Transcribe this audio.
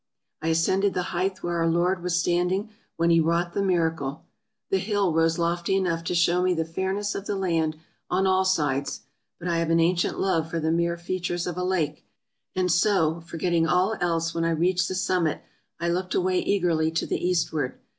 I ascended the height where our Lord was standing when He wrought the miracle. The hill rose lofty enough to show me the fairness of the land on all sides ; but I have an ancient love for the mere features of a lake, and so, for getting all else when I reached the summit, I looked away eagerly to the eastward.